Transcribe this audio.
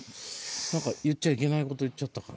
何か言っちゃいけないこと言っちゃったかな。